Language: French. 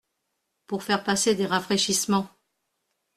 Pour faire passer des rafraîchissements…